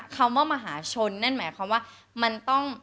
คำว่ามหาชนนั่นหมายความว่ามันต้อง